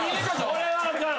これはあかん。